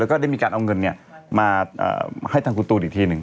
แล้วก็ได้มีการเอาเงินมาให้ทางคุณตูนอีกทีหนึ่ง